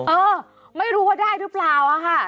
เออไม่รู้ว่าได้หรือเปล่าอะค่ะ